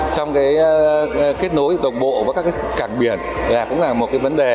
trong kết nối đồng bộ với các cảng biển cũng là một vấn đề